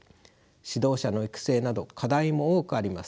指導者の育成など課題も多くあります。